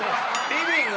リビング。